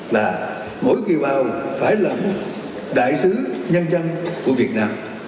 là mỗi kiều bào phải lẫn đại sứ nhân dân của việt nam